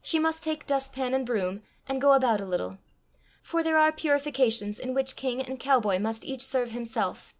She must take dust pan and broom and go about a little. For there are purifications in which king and cowboy must each serve himself.